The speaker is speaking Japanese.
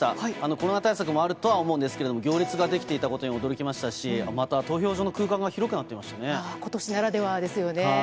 コロナ対策もあるとは思うんですが、行列が出来ていたことに驚きましたし、また、投票所の空間も広くことしならではですよね。